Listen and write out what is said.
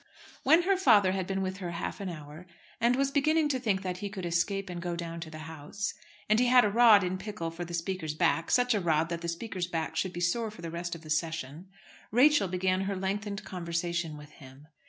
When her father had been with her half an hour, and was beginning to think that he could escape and go down to the House, and he had a rod in pickle for the Speaker's back, such a rod that the Speaker's back should be sore for the rest of the session Rachel began her lengthened conversation with him.